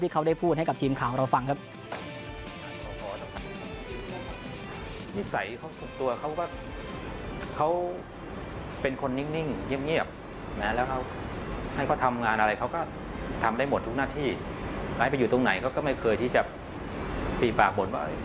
เขาได้พูดให้กับทีมข่าวเราฟังครับ